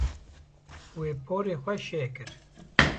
Wê porê xwe şeh kir.